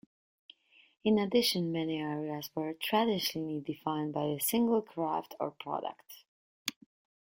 In addition, many areas were traditionally defined by a single craft or product.